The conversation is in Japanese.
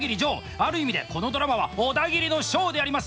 ある意味でこのドラマはオダギリのショーであります。